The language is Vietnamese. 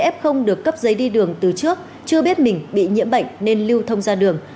f được cấp giấy đi đường từ trước chưa biết mình bị nhiễm bệnh nên lưu thông ra đường